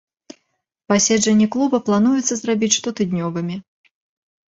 Паседжанні клуба плануецца зрабіць штотыднёвымі.